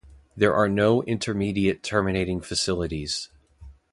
There are no intermediate terminating facilities.